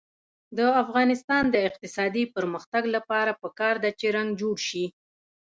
د افغانستان د اقتصادي پرمختګ لپاره پکار ده چې رنګ جوړ شي.